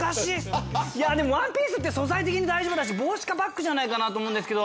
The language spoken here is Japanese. いやでもワンピースって素材的に大丈夫だし帽子かバッグじゃないかなと思うんですけど。